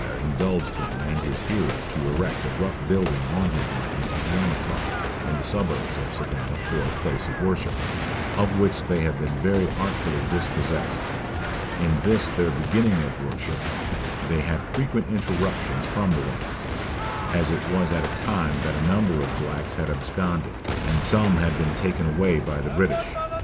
indulged him and his hearers to erect a rough building on his land at Yamacraw, in the suburbs of Savannah for a place of worship, of which they have been very artfully dispossessed. In this their beginning of worship they had frequent interruptions from the whites; as it was at a time that a number of blacks had absconded, and some had been taken away by the British.